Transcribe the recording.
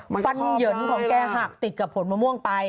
ฟันเหยินของแกหักติดกับผลมะม่วงไป